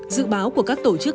dự báo của các tổ chức